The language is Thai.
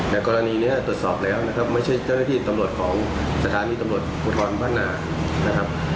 แต่กรณีนี้ตรวจสอบแล้วนะครับไม่ใช่เจ้าหน้าที่ตำรวจของสถานีตำรวจภูทรบ้านนานะครับ